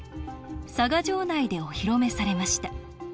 佐賀城内でお披露目されました。